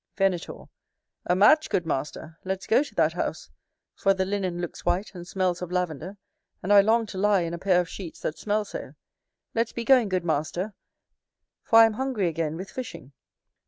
Venator. A match, good master, let's go to that house, for the linen looks white, and smells of lavender, and I long to lie in a pair of sheets that smell so. Let's be going, good master, for I am hungry again with fishing.